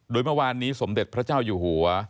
โดยเมื่อวานนี้สมเด็จพระเจ้าอยู่หัว